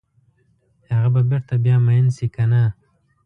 هغه به بیرته بیا میین شي کنه؟